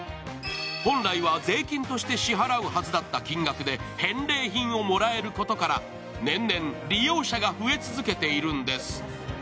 本来は税金として支払うはずだった金額で返礼品をもらえることから年々、利用者が増え続けているんです。